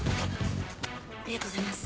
ありがとうございます。